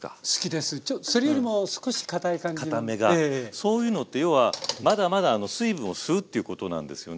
そういうのって要はまだまだ水分を吸うっていうことなんですよね。